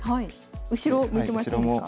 後ろ向いてもらっていいですか？